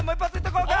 こうか！